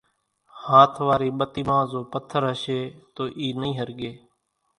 ھاٿ واري ٻتي مان زو پٿر ھشي تو اِي نئي ۿرڳي